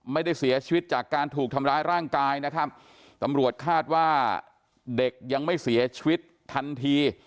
ไม่ได้เสียชีวิตจากการถูกทำร้ายร่างกายนะครับตำรวจคาดว่าเด็กยังไม่เสียชีวิตทันที